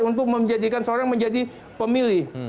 untuk menjadikan seorang menjadi pemilih